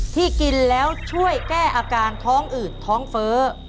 ที่กินแล้วช่วยแก้อาการท้องอืดท้องเฟ้อ